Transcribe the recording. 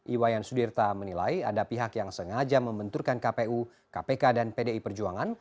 iwayan sudirta menilai ada pihak yang sengaja membenturkan kpu kpk dan pdi perjuangan